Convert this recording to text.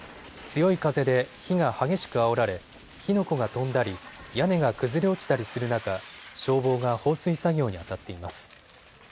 強い風で火が激しくあおられ、火の粉が飛んだり、屋根が崩れ落ちたりする中、消防が放水作業にあたっています。